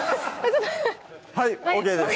はいＯＫです